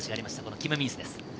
キム・ミンスです。